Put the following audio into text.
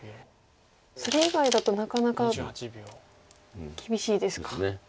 それ以外だとなかなか厳しいですか。ですね。